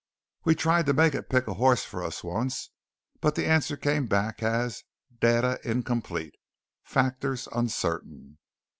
"We tried to make it pick horses for us once but the answer came back as 'Data incomplete, factors uncertain.'